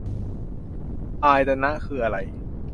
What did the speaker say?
อายตนะ คืออะไร